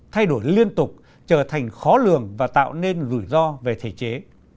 thay đổi liên tục trở thành khó lường và tạo nên rủi ro về thể chế